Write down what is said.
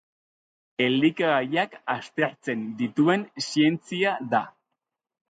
Elikagaiak aztertzen dituen zientzia da.